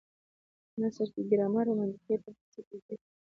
په نثر کي ګرامري او منطقي ارتباط ساتل کېږي.